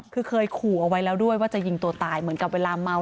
คือเคยขู่เอาไว้แล้วด้วยว่าจะยิงตัวตายเหมือนกับเวลาเมา